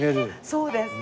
そうです。